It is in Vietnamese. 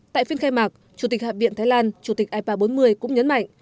tại phiên khai mạc chủ tịch hạm viện thái lan chủ tịch ipa bốn mươi cũng nhấn mạnh